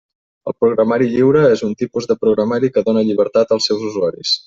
El programari lliure és un tipus de programari que dóna llibertat als seus usuaris.